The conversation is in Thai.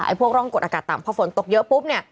พวกร่องกดอากาศต่ำพอฝนตกเยอะปุ๊บเนี่ย